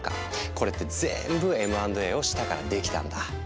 これって全部Ｍ＆Ａをしたからできたんだ。